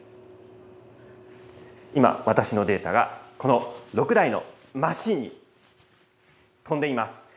今、私のデータが、この６台のマシーンに飛んでいます。